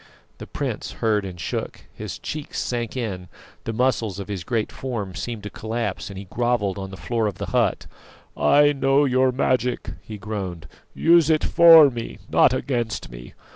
The prince heard and shook, his cheeks sank in, the muscles of his great form seemed to collapse, and he grovelled on the floor of the hut. "I know your magic," he groaned; "use it for me, not against me!